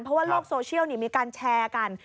เพราะว่าโลกโซเชียลมีการแชร์กัน